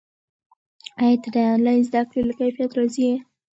ایا ته د آنلاین زده کړې له کیفیت راضي یې؟